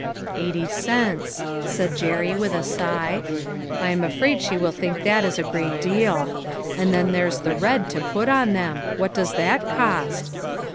" Eighty cents," said Jerry with a sigh. " I am afraid she will think that is a great deal. And then there's the red to put on them. What does that cost